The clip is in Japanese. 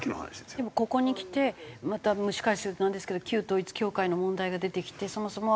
でもここにきてまた蒸し返すようでなんですけど旧統一教会の問題が出てきてそもそもは韓国の宗教だと。